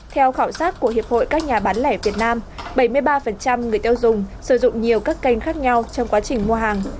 theo khảo sát của hiệp hội các nhà bán lẻ việt nam bảy mươi ba người tiêu dùng sử dụng nhiều các kênh khác nhau trong quá trình mua hàng